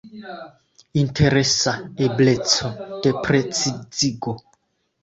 Interesa ebleco de precizigo.